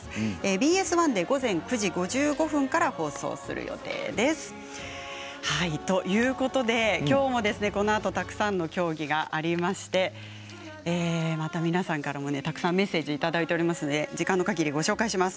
ＢＳ１で午前９時５５分から放送する予定です。ということできょうも、このあとたくさんの競技がありましてまた皆さんからもたくさんメッセージいただいておりますので時間の限り、ご紹介します。